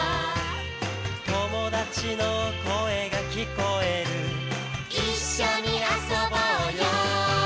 「友達の声が聞こえる」「一緒に遊ぼうよ」